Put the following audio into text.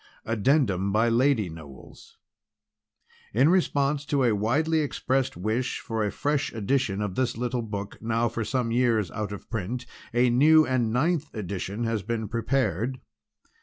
Addendum by Lady Knowles In response to a widely expressed wish for a fresh edition of this little book now for some years out of print a new and ninth edition has been prepared.